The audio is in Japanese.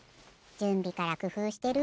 じゅんびからくふうしてる！